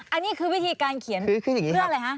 อันนี้คือวิธีการเขียนเพื่ออะไรฮะ